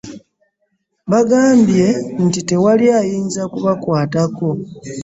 Bagambye nti tewali ayinza kubakwatako.